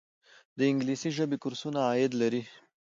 د انګلیسي ژبې کورسونه عاید لري؟